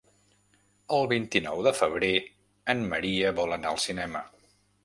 El vint-i-nou de febrer en Maria vol anar al cinema.